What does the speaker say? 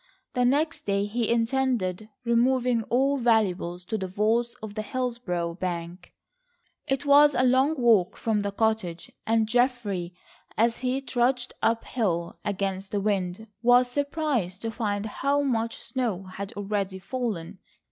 The next day he intended removing all valuables to the vaults of the Hillsborough bank. It was a long walk from the cottage, and Geoffrey, as he trudged up hill against the wind, was surprised to find how much snow had already fallen.